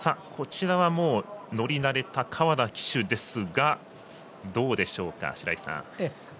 こちらは乗り慣れた川田騎手ですがどうでしょうか、白井さん。